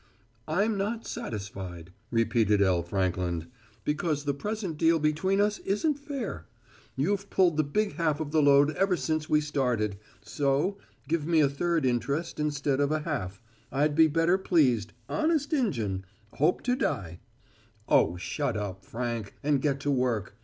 "I'm not satisfied," repeated L. Frankland, "because the present deal between us isn't fair. You've pulled the big half of the load ever since we started so, give me a third interest instead of a half I'd be better pleased, honest Injun, hope to die." "Oh, shut up, Frank, and get to work.